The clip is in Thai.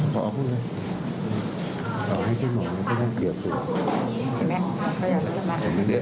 ขอบคุณค่ะครับ